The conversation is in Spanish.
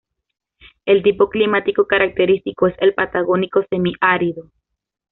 El tipo climático característico es el Patagónico Semiárido.